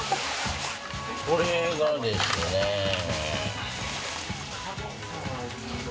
これがですね。